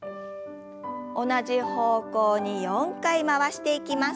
同じ方向に４回回していきます。